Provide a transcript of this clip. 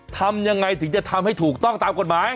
ทำยังไงถึงจะทำให้ถูกต้องตามกฎหมาย